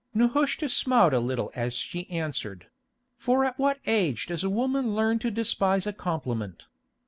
Nehushta smiled a little as she answered—for at what age does a woman learn to despise a compliment?